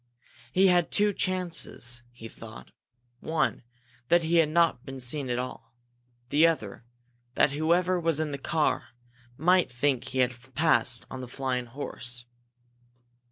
He had two chances, he thought. One, that he had not been seen at all; the other, that whoever was in the car might think he had passed on the flying horse.